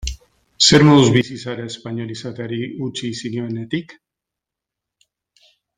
Zer moduz bizi zara espainol izateari utzi zenionetik?